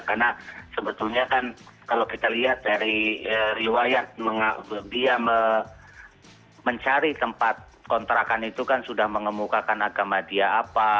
karena sebetulnya kan kalau kita lihat dari riwayat dia mencari tempat kontrakan itu kan sudah mengemukakan agama dia apa